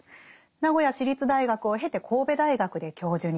名古屋市立大学を経て神戸大学で教授に。